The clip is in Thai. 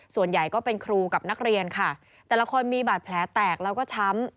ส่วนใหญ่ก็เป็นครูกับนักเรียนค่ะแต่ละคนมีบาดแผลแตกแล้วก็ช้ำ